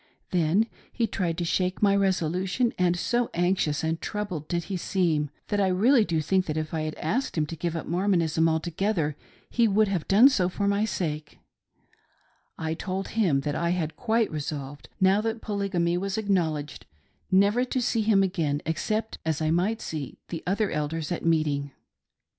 Then he tried to shake my resolution, and so anxious and troubled did he seem, that I tealiy do think that if I had asked him to give up Mormonism altogether, h* would have done so for my sake. I told him that I had quite resolved, now that Polygainy was acknowledged, never to see him again, except as I might see tW DECIDED MEASURES :— MARY DISMISSES HER LOVER. 1 53 Other Elders at meeting.